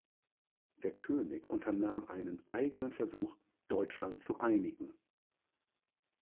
Der König unternahm einen eigenen Versuch, Deutschland zu einigen.